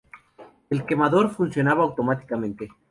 El quemador funcionaba automáticamente.